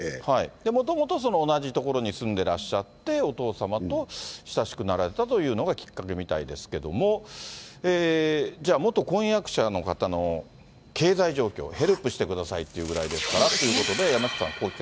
もともと同じ所に住んでらっしゃって、お父様と親しくなられたというのがきっかけみたいですけども、じゃあ、元婚約者の方の経済状況、ヘルプしてくださいっていうぐらいですからってことで、山下さん